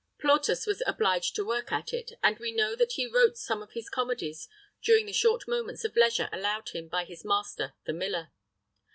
Plautus was obliged to work at it, and we know that he wrote some of his comedies during the short moments of leisure allowed him by his master the miller.